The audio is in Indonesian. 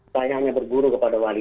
saya hanya berburu kepada wali